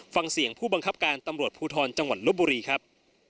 ฟังเสียงผู้บังคับการตำรวจภูทรจังหวัดลบบุรีครับ